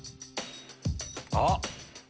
あっ！